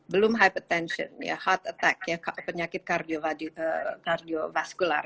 belum hypertension heart attack penyakit kardiovaskular